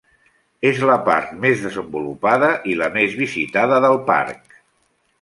És la part més desenvolupada i la més visitada del parc.